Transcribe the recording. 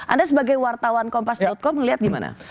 anda sebagai wartawan kompas com melihat gimana